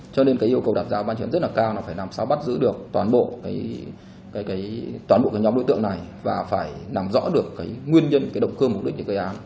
cho nên cái yêu cầu đặt ra của ban chuyên rất là cao là phải làm sao bắt giữ được toàn bộ cái nhóm đối tượng này và phải làm rõ được cái nguyên nhân cái động cơ mục đích của cái án